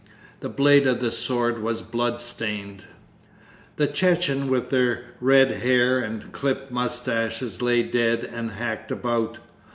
The blade of the sword was blood stained. The Chechens with their red hair and clipped moustaches lay dead and hacked about.